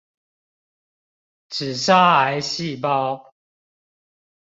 只殺癌細胞！